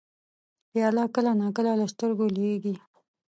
پیاله کله نا کله له سترګو لوېږي.